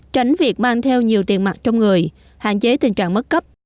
tránh việc mang theo nhiều tiền mặt trong người hạn chế tình trạng mất cấp